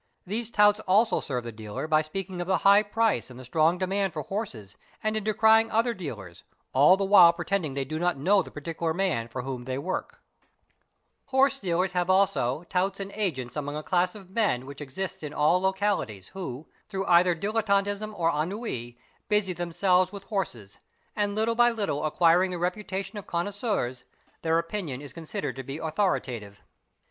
These touts also serve the dealer by speaking of the high price and the strong demand for horses and in decrying other dealers, all the while pretending they do not know the particular man for whom they " work "'. Horse dealers have also touts and agents among a class of men which exists in all localities who, through either dilettantism or ennui, busy 'themselves with horses, and, little by little acquiring the reputation of Rsit 2 SVG A, KDHE: ORIN LAR SET) hE, AES 1H —" S 816 CHEATING AND FRAUD connoisseurs, their opinion is considered to be authoritative.